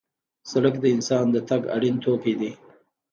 سړک د انسان د تګ اړین توکی دی.